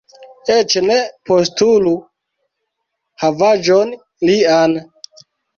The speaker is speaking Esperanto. Eĉ ne postulu havaĵon lian.